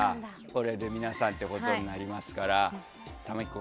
これで皆さんということになりますから。